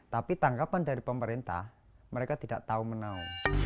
tapi tanggapan dari pemerintah mereka tidak tahu menau